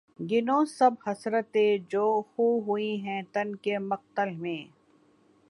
گنو سب حسرتیں جو خوں ہوئی ہیں تن کے مقتل میں